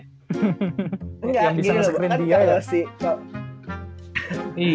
yang bisa nge screen dia ya